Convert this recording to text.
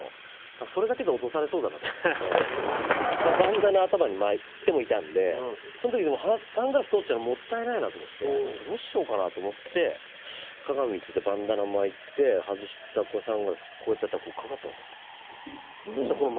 それだけで落とされそうだなと思ってバンダナ頭に巻いてもいたんでその時でもサングラス取っちゃもったいないなと思ってどうしようかなと思って鏡見ててバンダナ巻いて外したサングラスこうやってやったらかかったんですよ。